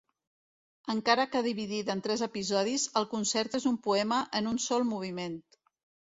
Encara que dividida en tres episodis, el concert és un poema en un sol moviment.